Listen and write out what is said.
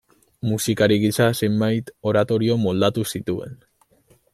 Musikari gisa zenbait oratorio moldatu zituen.